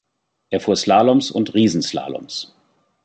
Er fuhr Slaloms und Riesenslaloms.